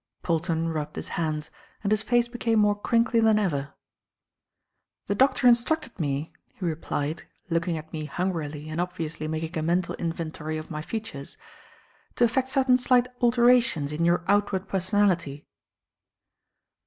Polton rubbed his hands, and his face became more crinkly than ever. "The Doctor instructed me," he replied, looking at me hungrily and obviously making a mental inventory of my features, "to effect certain slight alterations in your outward personality."